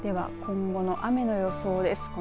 では今後の雨の予想です。